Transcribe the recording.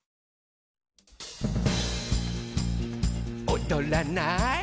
「おどらない？」